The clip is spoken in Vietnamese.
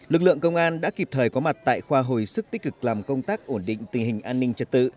lực lượng công an đã kịp thời có mặt tại khoa hồi sức tích cực làm công tác ổn định tình hình an ninh trật tự